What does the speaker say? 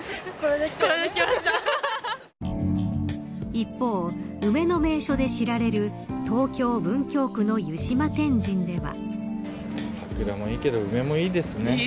一方、梅の名所で知られる東京、文京区の湯島天神では。